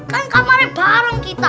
kan kamarnya bareng kita